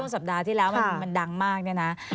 สัปดาห์ที่แล้วมันดังมากเนี่ยนะ